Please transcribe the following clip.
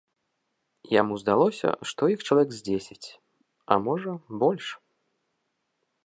Яму здалося, што іх чалавек з дзесяць, а можа, больш.